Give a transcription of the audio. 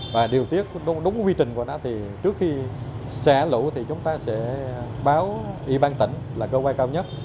và điều tiết đúng quy trình của nó thì trước khi xả lũ thì chúng ta sẽ báo ủy ban tỉnh là cơ quan cao nhất